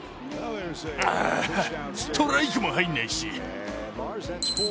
あーストライクも入んないし。